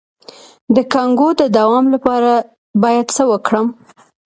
د کانګو د دوام لپاره باید څه وکړم؟